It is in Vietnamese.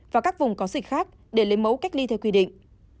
và các vùng có dịch khác để lấy mẫu cách ly theo quy định